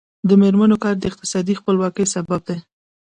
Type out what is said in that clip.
د میرمنو کار د اقتصادي خپلواکۍ سبب دی.